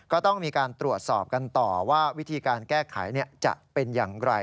ก็ต้องมีการตรวจสอบกันต่อว่าวิธีการแก้ไขจะเป็นอย่างไร